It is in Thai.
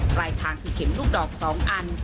ปลายทางคือเข็มลูกดอก๒อัน